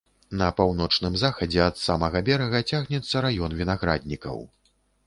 На паўночным захадзе ад самага берага цягнецца раён вінаграднікаў.